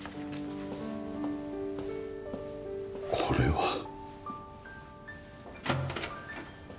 これは。